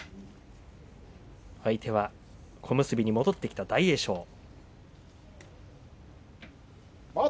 相手は小結に戻ってきた大栄翔。